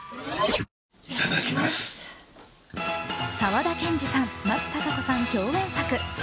沢田研二さん、松たか子さん共演作。